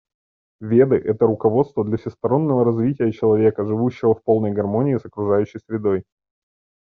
Веды — это руководство для всестороннего развития человека, живущего в полной гармонии с окружающей средой.